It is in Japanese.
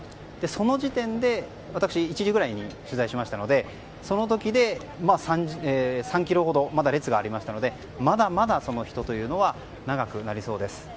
その時点で私１時くらいに取材しましたのでその時で３ｋｍほど列がありましたのでまだまだ、人というのは長くなりそうです。